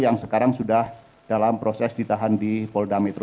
yang sekarang sudah dalam proses ditahan di polda metro